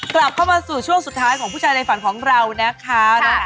กลับเข้ามาสู่ช่วงสุดท้ายของผู้ชายในฝันของเรานะคะ